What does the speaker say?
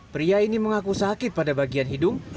pria ini mengaku sakit pada bagian hidung